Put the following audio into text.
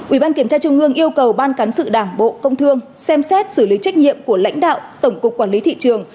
ủy ban kiểm tra trung ương yêu cầu ban cán sự đảng bộ công thương xem xét xử lý trách nhiệm của lãnh đạo tổng cục quản lý thị trường